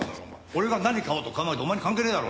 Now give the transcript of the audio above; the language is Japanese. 俺が何買おうと買うまいとお前に関係ねえだろ